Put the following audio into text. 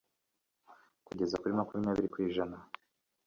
kugeza kuri makumyabiri kwijana